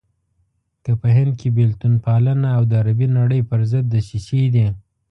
که په هند کې بېلتون پالنه او د عربي نړۍ پرضد دسيسې دي.